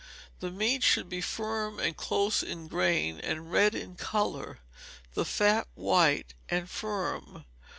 The meat should be firm and close in grain, and red in colour, the fat white and firm.